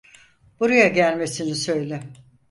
Buraya gelmesini söyle.